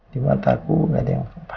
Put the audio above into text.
di mata aku gak ada yang apa apa